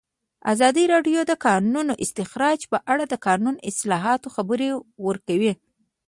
ازادي راډیو د د کانونو استخراج په اړه د قانوني اصلاحاتو خبر ورکړی.